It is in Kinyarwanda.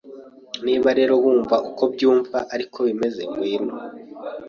Niba rero wumva uko mbyumva ariko bimeze ngwino